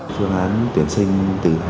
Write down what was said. trường án tuyển sinh từ